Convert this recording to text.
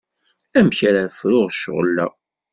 Amek ara fruɣ ccɣel-a?